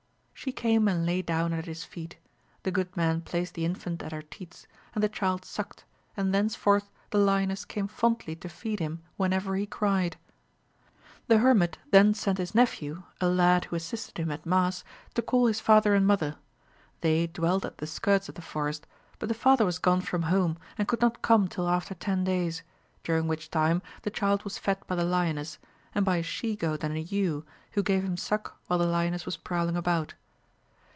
She came and lay down at his feet : the good man placed the infant at her teats, and the child sucked, and thenceforth the lioness came fondly to feed him when ever he cried. The hermit then sent his nephew, a lad who assisted him at mass, to call his father and mother : they dwelt at the skirts of the forest, but the father was gone from home, and could not come till after ten days, during which time the child was fed by the lioness, and by a she goat and a ewe, who gave him suck while the lioness was prowling about.